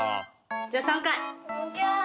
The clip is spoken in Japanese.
じゃあ３回。